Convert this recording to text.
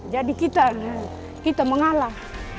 jadi kita kita mengalah